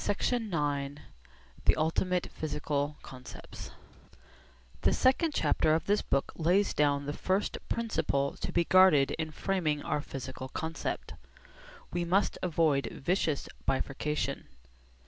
CHAPTER IX THE ULTIMATE PHYSICAL CONCEPTS The second chapter of this book lays down the first principle to be guarded in framing our physical concept. We must avoid vicious bifurcation.